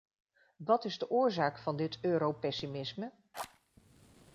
Wat is de oorzaak van dit europessimisme?